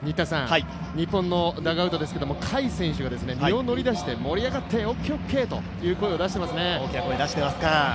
日本のダグアウトですけど甲斐選手が身を乗り出して盛り上がって、オーケー、オーケーという声を出していますね。